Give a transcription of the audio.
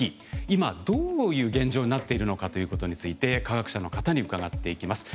今どういう現状になっているのかということについて科学者の方に伺っていきます。